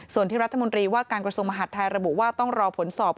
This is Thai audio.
ส่วนที่รัฐมนตรีว่าการกระทรวงมหาดไทยระบุว่าต้องรอผลสอบ